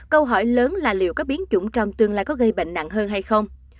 câu hỏi lớn là liệu có biến chủng trong tương lai có gây bệnh nặng hơn hay không